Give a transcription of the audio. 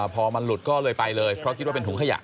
พอมันหลุดก็เลยไปเลยเพราะคิดว่าเป็นถุงขยะ